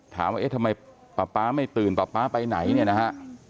ถามว่าเอ๊ะทำไมป๊าป๊าไม่ตื่นป๊าป๊าไปไหนเนี่ยนะฮะ